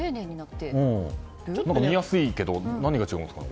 見やすいけど何が違いますか？